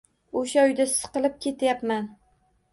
O`sha uyda siqilib ketyapman